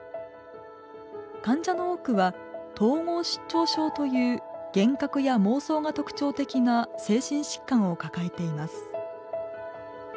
患者の多くは「統合失調症」という幻覚や妄想が特徴的な精神疾患を抱えています。